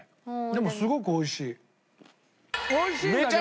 でもすごく美味しい。